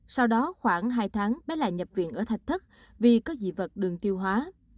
sau đó khoảng hai tháng bé lại nhập viện ở thạch thất vì có dị vật đường tiêu hóa